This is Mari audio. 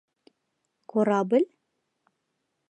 — Корабль?